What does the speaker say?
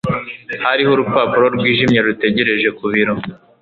Hariho urupapuro rwijimye rutegereje ku biro.